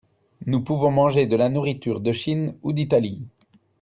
Nous pouvons manger de la nourriture de Chine ou d'Italie.